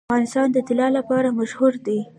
افغانستان د طلا لپاره مشهور دی.